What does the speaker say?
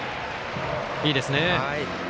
いいですね。